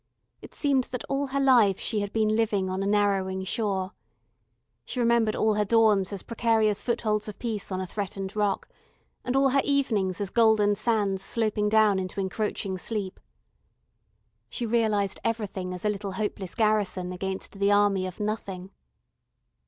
It seemed that all her life she had been living on a narrowing shore. She remembered all her dawns as precarious footholds of peace on a threatened rock, and all her evenings as golden sands sloping down into encroaching sleep. She realised Everything as a little hopeless garrison against the army of Nothing.